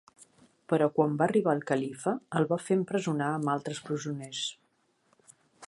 Però quan va arribar el Califa el va fer empresonar amb altres presoners.